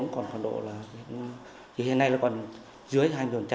còn khoản độ là dưới hai mươi